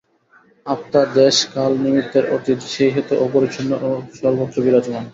আত্মা দেশ-কাল-নিমিত্বের অতীত, সেই হেতু অপরিচ্ছিন্ন ও সর্বত্র বিরাজমান।